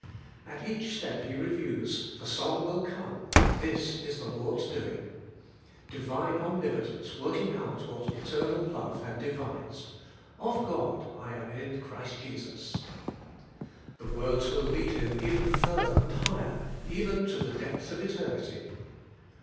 At each step he reviews, the song will come, 'This is the Lord's doing,'— Divine Omnipotence working out what Eternal Love had devised. 'Of God I am in Christ Jesus.' The words will lead him even further and higher, even to the depths of eternity.